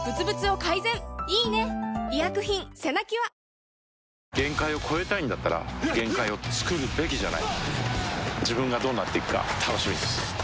新「ＥＬＩＸＩＲ」限界を越えたいんだったら限界をつくるべきじゃない自分がどうなっていくか楽しみです